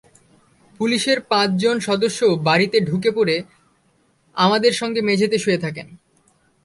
পুলিশের পাঁচজন সদস্যও বাড়িতে ঢুকে পড়ে আমাদের সঙ্গে মেঝেতে শুয়ে থাকেন।